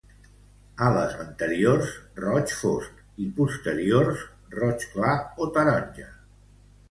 Ales anteriors roig fosc i posteriors roig clar o taronja.